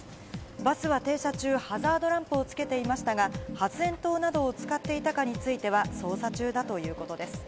バスは停車中、ハザードランプをつけていましたが、発炎筒などを使っていたかについては捜査中だということです。